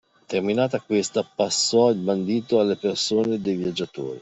Terminata questa, passò il bandito alle persone de’ viaggiatori.